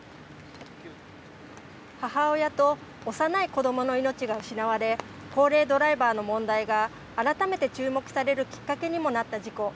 母親と幼い子どもの命が失われ、高齢ドライバーの問題が改めて注目されるきっかけにもなった事故。